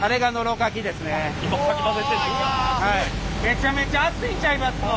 めちゃめちゃ熱いんちゃいますの？